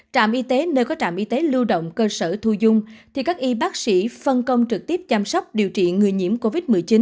trạm y tế nơi có trạm y tế lưu động cơ sở thu dung thì các y bác sĩ phân công trực tiếp chăm sóc điều trị người nhiễm covid một mươi chín